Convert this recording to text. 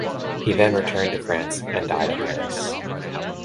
He then returned to France, and died at Paris.